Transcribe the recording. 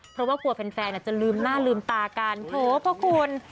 เพราะว่ากลัวแฟนอาจจะลืมหน้าลืมตากันโถพระคุณ